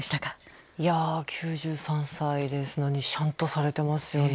いや９３歳ですのにしゃんとされてますよね。